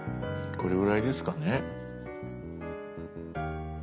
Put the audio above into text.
これぐらいですかね。